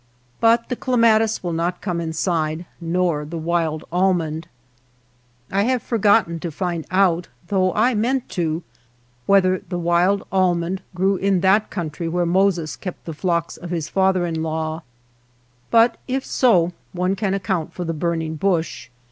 But the clematis will not come inside, nor the wild almond. I have forgotten to find out, though I 133 MY NEIGHBORS FIELD 'meant to, whether the wild almond grew in that country where Moses kept the flocks of his father in law, but if so one can account for the burning bush.